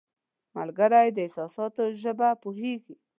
ملګری د احساساتو ژبه پوهیږي